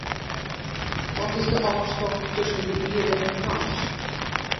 Wat is de ôfstân tusken de Ierde en Mars?